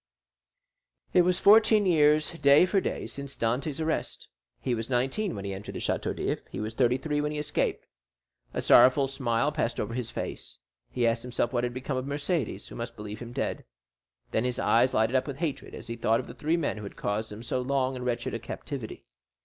It was fourteen years, day for day, since Dantès' arrest. He was nineteen when he entered the Château d'If; he was thirty three when he escaped. A sorrowful smile passed over his face; he asked himself what had become of Mercédès, who must believe him dead. Then his eyes lighted up with hatred as he thought of the three men who had caused him so long and wretched a captivity.